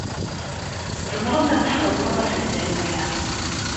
Tzemreḍ ad tesxedmeḍ asegzawal-a.